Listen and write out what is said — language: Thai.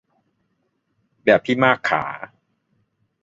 แบบพี่มากขา